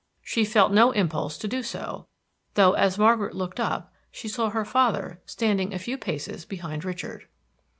She felt no impulse to do so, though as Margaret looked up she saw her father standing a few paces behind Richard.